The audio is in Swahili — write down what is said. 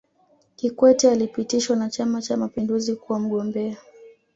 kikwete alipitishwa na chama cha mapinduzi kuwa mgombea